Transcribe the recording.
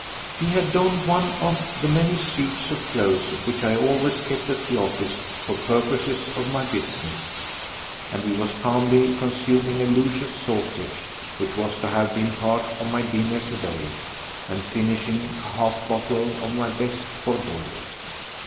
He had donned one of the many suits of clothes which I always kept at the office for purposes of my business, and he was calmly consuming a luscious sausage which was to have been part of my dinner today, and finishing a half bottle of my best Bordeaux.